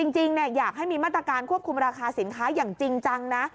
จริงอยากให้มีมาตรการควบคุมราคาสินค้าอย่างจริงจังนะ